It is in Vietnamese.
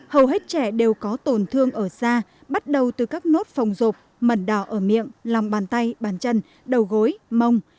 hầu hết trẻ đều có tổn thương ở da bắt đầu từ các nốt phòng rộp mẩn đỏ ở miệng lòng bàn tay bàn chân đầu gối mông